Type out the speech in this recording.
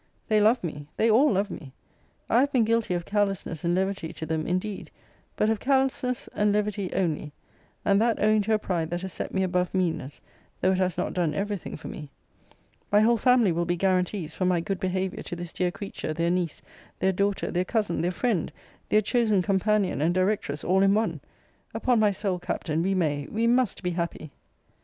They love me. They all love me. I have been guilty of carelessness and levity to them, indeed; but of carelessness and levity only; and that owing to a pride that has set me above meanness, though it has not done every thing for me. My whole family will be guaranties for my good behaviour to this dear creature, their niece, their daughter, their cousin, their friend, their chosen companion and directress, all in one. Upon my soul, Captain, we may, we must be happy.